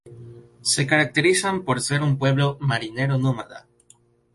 Se caracterizan por ser un pueblo marinero nómada.